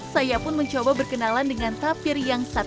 saya pun mencoba berkenalan dengan tapir yang satu